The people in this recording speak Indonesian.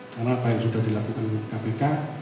karena apa yang sudah dilakukan oleh kpk